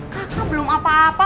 kakak belum apa apa